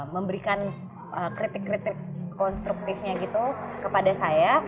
memberikan kritik kritik konstruktifnya gitu kepada saya